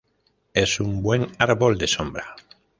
Es un buen árbol de sombra.